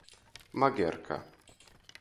Magerka.